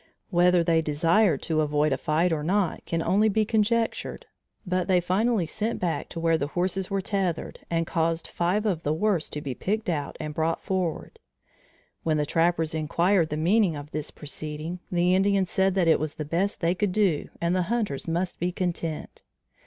Whether they desired to avoid a fight or not can only be conjectured, but they finally sent back to where the horses were tethered and caused five of the worst to be picked out and brought forward. When the trappers inquired the meaning of this proceeding, the Indians said that it was the best they could do and the hunters must be content.